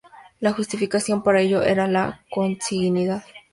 La justificación para ello era la consanguinidad.